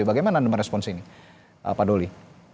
bagaimana anda merespons ini pak doli